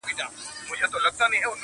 نه یې غوږ وو پر ښکنځلو پر جنګونو؛